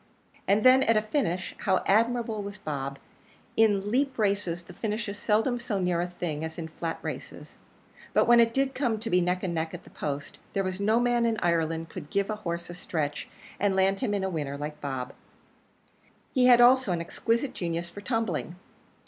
And then, at a finish, how admirable was Bob! In leap races the finish is seldom so near a thing as in flat races; but when it did come to be neck and neck at the post, there was no man in Ireland could give a horse a stretch and land him in a winner like Bob. He had also an exquisite genius for tumbling.